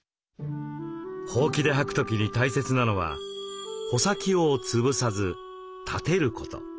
ほうきではく時に大切なのは穂先を潰さず立てること。